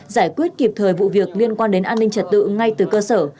giải quyết kịp thời vụ việc liên quan đến an ninh trật tự ngay từ cơ sở